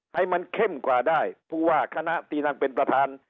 ให้มันเข้มกว่าได้ผู้ว่าคณะที่นั่งเป็นประธาน